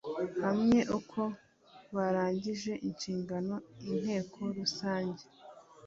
hamwe uko barangije inshingano inteko rusange